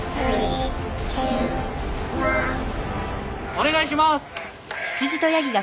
お願いします！